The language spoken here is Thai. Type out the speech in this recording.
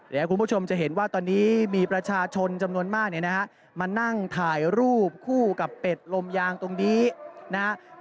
เดี๋ยวคุณผู้ชมจะเห็นว่าตอนนี้มีประชาชนจำนวนมากเนี่ยนะฮะมานั่งถ่ายรูปคู่กับเป็ดลมยางตรงนี้นะครับ